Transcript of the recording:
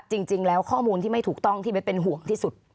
จริงแล้วข้อมูลที่ไม่ถูกต้องที่เบสเป็นห่วงที่สุด